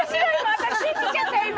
私信じちゃった今。